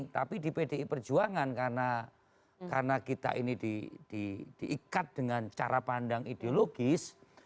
tapi di pdi perjuangan karena kita ini diikat dengan cara pandang ideologis